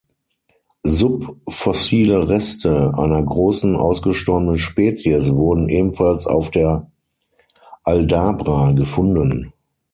Subfossile Reste einer großen, ausgestorbenen Spezies wurden ebenfalls auf der Aldabra gefunden.